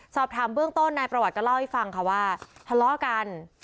สอบถามเบื้องต้นนายประวัติก็เล่าให้ฟังค่ะว่าทะเลาะกัน